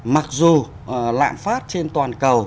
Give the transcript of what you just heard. mặc dù lạm phát trên toàn cầu